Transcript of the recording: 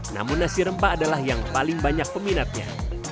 namun nasi rempah adalah yang paling banyak peminatnya